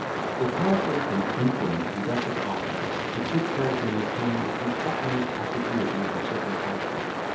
The character and influence he thus acquired, he took care to maintain with the utmost assiduity and circumspection.